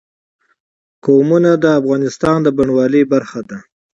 قومونه د افغانستان د بڼوالۍ برخه ده.